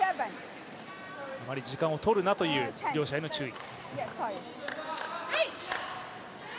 あまり時間を取るなという両者への注意。